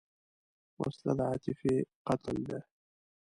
وسله د عاطفې قتل ده